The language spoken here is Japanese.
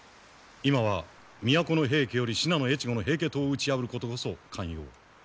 今は都の平家より信濃越後の平家党を打ち破ることこそ肝要。